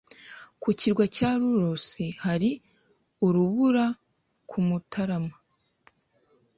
Ku kirwa cya Lulus hari urubura ku Mutarama